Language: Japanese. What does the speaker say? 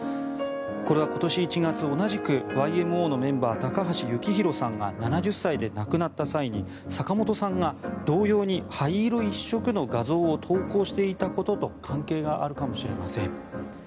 これは今年１月同じくＹＭＯのメンバー高橋幸宏さんが７０歳で亡くなった際に坂本さんが同様に灰色一色の画像を投稿していたことと関係があるかもしれません。